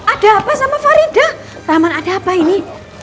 ada apa sama faridah raman ada apa ini